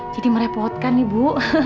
jadi merepotkan ibu